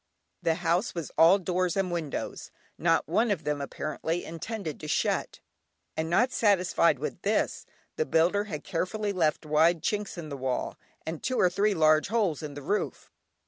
The house was all doors and windows, not one of them, apparently, intended to shut, and not satisfied with this, the builder had carefully left wide chinks in the walls, and two or three large holes in the roof.